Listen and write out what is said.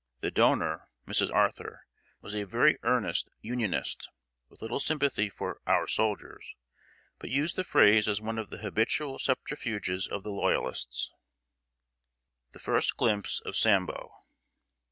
The donor Mrs. Arthur was a very earnest Unionist, with little sympathy for "our soldiers," but used the phrase as one of the habitual subterfuges of the Loyalists. [Sidenote: THE FIRST GLIMPSE OF SAMBO.